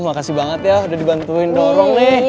makasih banget ya udah dibantuin dorong nih